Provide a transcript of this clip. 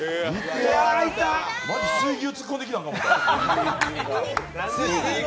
マジ、水牛突っ込んできたのかと思った。